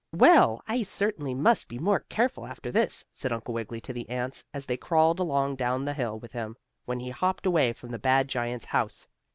"Well, I certainly must be more careful after this," said Uncle Wiggily to the ants, as they crawled along down the hill with him, when he hopped away from the bad giant's house.